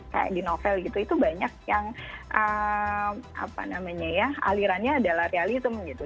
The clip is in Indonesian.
kayak di novel gitu itu banyak yang alirannya adalah realism gitu